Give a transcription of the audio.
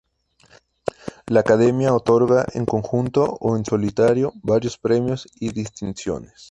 La academia otorga, en conjunto o en solitario, varios premios y distinciones.